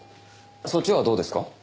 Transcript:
そっちはどうですか？